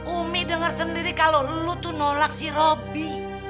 umi denger sendiri kalau lo tuh nolak si robi